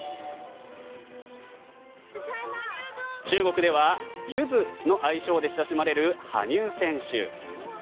中国では柚子の愛称で親しまれる羽生選手。